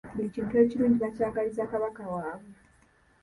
Buli kintu ekirungi bakyagaliza Kabaka waabwe.